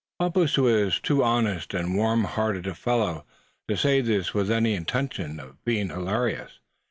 '" Bumpus was too honest and warm hearted a fellow to say this with any intention of being hilarious.